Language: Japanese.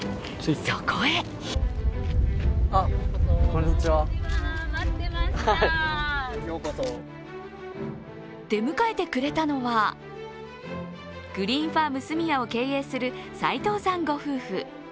そこへ出迎えてくれたのは、グリーンファーム角屋を経営する齋藤さんご夫婦。